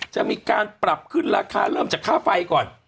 จะมีการปรับขึ้นราคาเริ่มจากค่าไฟก่อน